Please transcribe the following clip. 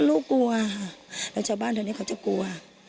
ลูกกลัวค่ะแล้วชาวบ้านแถวนี้เขาจะกลัว